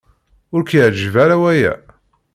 Ur k-yeɛjib ara waya?